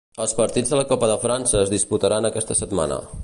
Els partits de la Copa de França es disputaran aquesta setmana.